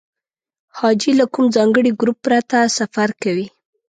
حاجي له کوم ځانګړي ګروپ پرته سفر کوي.